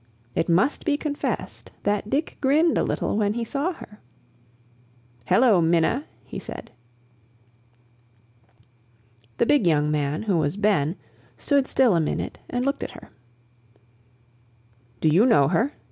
It must be confessed that Dick grinned a little when he saw her. "Hello, Minna!" he said. The big young man who was Ben stood still a minute and looked at her. "Do you know her?"